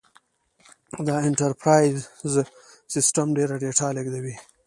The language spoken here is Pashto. دا انټرپرایز سیسټم ډېره ډیټا لېږدوي.